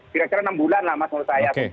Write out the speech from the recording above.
kira kira enam bulan lah mas menurut saya